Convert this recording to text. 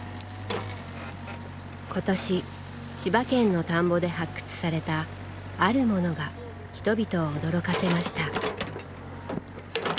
今年千葉県の田んぼで発掘されたあるものが人々を驚かせました。